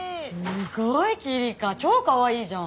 すごい希梨香超かわいいじゃん。